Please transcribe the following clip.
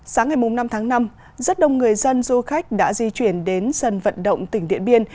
sáng ngày năm tháng năm rất đông người dân du khách đã di chuyển đến sân vận động tỉnh điện biên